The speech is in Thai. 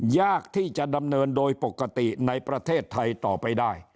ยากที่จะดำเนินโดยปกติในประเทศไทยต่อไปได้